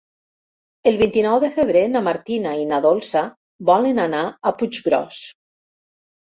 El vint-i-nou de febrer na Martina i na Dolça volen anar a Puiggròs.